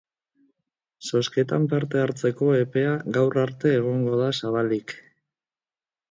Zozketan parte hartzeko epea gaur arte egongo da zabalik.